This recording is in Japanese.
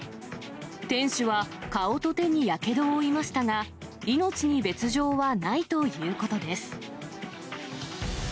店主は、顔と手にやけどを負いましたが、命に別状はないということです。